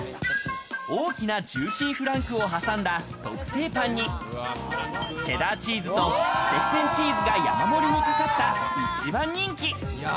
大きなジューシーフランクを挟んだ特製パンにチェダーチーズとステッペンチーズが山盛りにかかった一番人気。